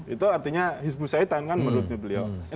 itu artinya hizbushaitan kan menurutnya beliau